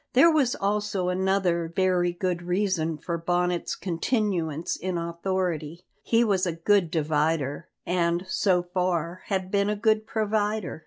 There was also another very good reason for Bonnet's continuance in authority; he was a good divider, and, so far, had been a good provider.